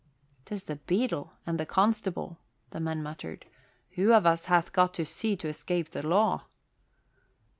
"'Tis the beadle and the constable," the men muttered. "Who of us hath got to sea to escape the law?"